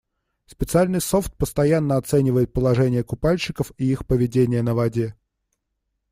Специальный софт постоянно оценивает положение купальщиков и их поведение на воде.